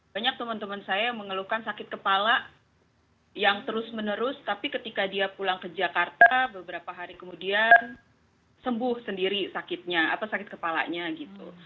banyak teman teman saya yang mengeluhkan sakit kepala yang terus menerus tapi ketika dia pulang ke jakarta beberapa hari kemudian sembuh sendiri sakitnya atau sakit kepalanya gitu